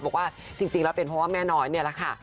บอกว่าจริงแล้วเป็นเพราะว่าแม่น้อยเนี่ยแหละค่ะ